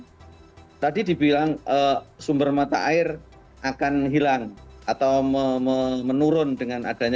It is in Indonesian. jadi tadi dibilang sumber mata air akan hilang atau menurun dengan adanya